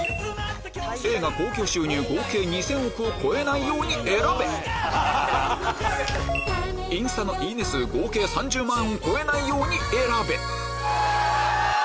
映画興行収入合計２０００億を超えないように選べインスタのいいね数合計３０万を超えないように選べあ‼